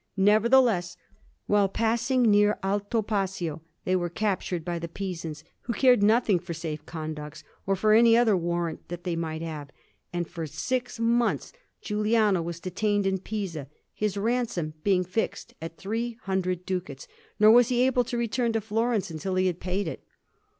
Nevertheless, while passing near Altopascio, they were captured by the Pisans, who cared nothing for safe conducts or for any other warrant that they might have. And for six months Giuliano was detained in Pisa, his ransom being fixed at three hundred ducats; nor was he able to return to Florence until he had paid it.